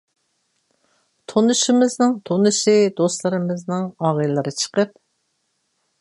تونۇشىمىزنىڭ تونۇشى، دوستىمىزنىڭ ئاغىنىلىرى چىقىپ،